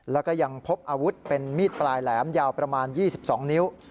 แล้วก็ยังพบอาวุธเป็นมีดปลายแหลมยาวประมาณ๒๒นิ้ว